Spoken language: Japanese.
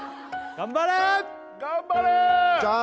頑張れー！